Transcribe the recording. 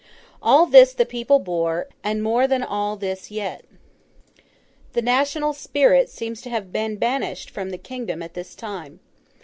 All this the people bore, and more than all this yet. The national spirit seems to have been banished from the kingdom at this time.